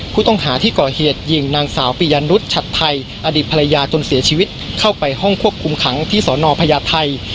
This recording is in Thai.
ผู้ต้องหาที่ก่อเหตุยิงนางสาวปียันรุษชัดไทยอดีตภรรยาจนเสียชีวิตเข้าไปห้องควบคุมขังที่สอนอพญาไทย